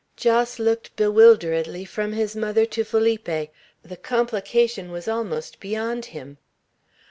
Jos looked bewilderedly from his mother to Felipe; the complication was almost beyond him.